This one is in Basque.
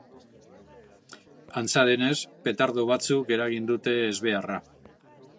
Antza denez, petardo batzuk eragin dute ezbeharra.